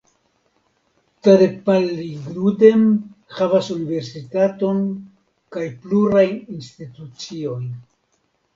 Tadepalligudem havas universitaton kaj plurajn instituciojn.